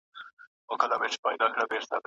د عرش له ښکلیو ګلدستو نه یو اواز راځي